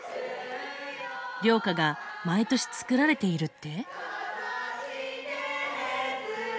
寮歌が毎年作られているって？